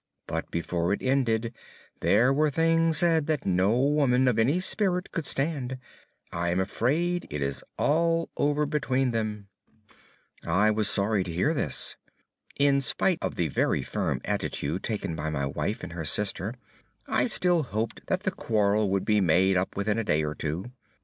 But before it ended there were things said that no woman of any spirit could stand. I am afraid it is all over between them." I was sorry to hear this. In spite of the very firm attitude taken by my wife and her sister, I still hoped that the quarrel would be made up within a day or two.